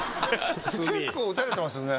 結構打たれてますよね。